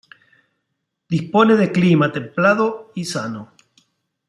Dispone de clima templado y sano.